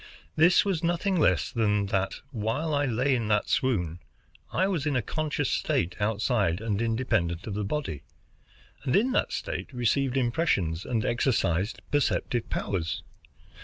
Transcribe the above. This was nothing less than that, while I lay in that swoon, I was in a conscious state outside and independent of the body, and in that state received impressions and exercised perceptive powers.